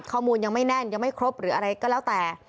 ข้อมูลยังไม่แน่นยังไม่ครบหรืออะไรก็แล้วแต่